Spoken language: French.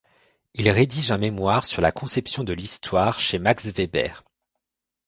Il rédige un mémoire sur la conception de l'histoire chez Max Weber.